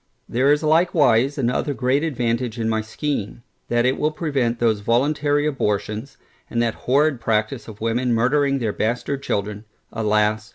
There is likewise another great advantage in my scheme, that it will prevent those voluntary abortions, and that horrid practice of women murdering their bastard children, alas!